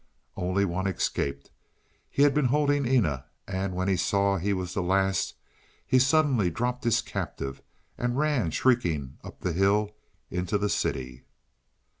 Only one escaped. He had been holding Eena; when he saw he was the last, he suddenly dropped his captive and ran shrieking up the hill into the city.